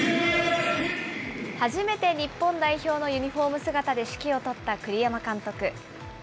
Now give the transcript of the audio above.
初めて日本代表のユニホーム姿で指揮を執った栗山監督。